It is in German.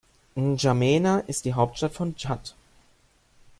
N’Djamena ist die Hauptstadt von Tschad.